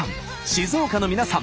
静岡の皆さん